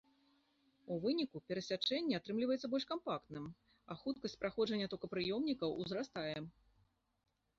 У выніку перасячэнне атрымліваецца больш кампактным, а хуткасць праходжання токапрыёмнікаў узрастае.